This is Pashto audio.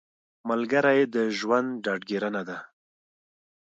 ملګری د ژوند ډاډګیرنه ده